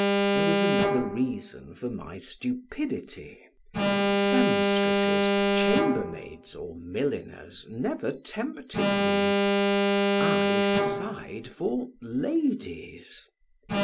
There was another reason for my stupidity. Seamstresses, chambermaids, or milliners, never tempted me; I sighed for ladies!